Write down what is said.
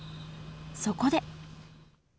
そこで。